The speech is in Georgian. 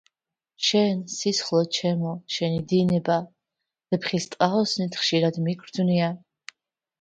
შენ სისხლო ჩემო შენი დინებავეფხისტყაოსნით ხშირად მიგრძვნია...